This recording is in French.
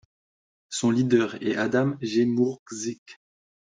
Son leader est Adam Gmurczyk.